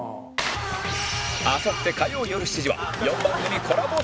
あさって火曜よる７時は『４番組コラボ ＳＰ』